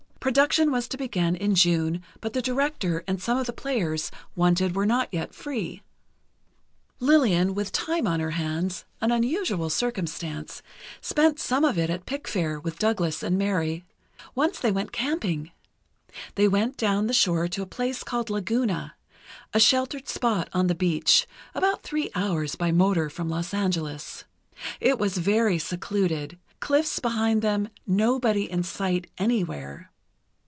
Production was to begin in June, but the director and some of the players wanted were not yet free. Lillian, with time on her hands, an unusual circumstance, spent some of it at Pickfair, with Douglas and Mary. Once they went camping. They went down the shore to a place called Laguna, a sheltered spot on the beach, about three hours by motor from Los Angeles. It was very secluded—cliffs behind them; nobody in sight anywhere.